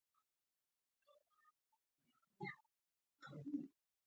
لرګی د خونې تودوخې ساتلو کې مرسته کوي.